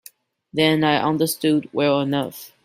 Then I understood well enough.